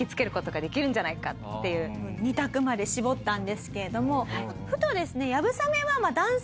２択まで絞ったんですけれどもふとですね。